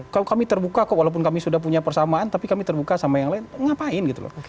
kalau kami terbuka kok walaupun kami sudah punya persamaan tapi kami terbuka sama yang lain ngapain gitu loh